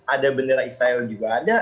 ada bendera israel juga ada